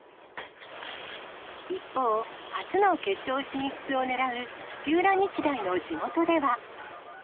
一方、初の決勝進出をねらう土浦日大の地元では。